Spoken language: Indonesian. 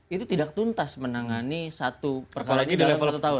itu tidak tuntas menangani satu perkara ini dalam satu tahun